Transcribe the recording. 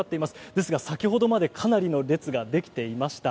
ですが先ほどまでかなりの列ができていました。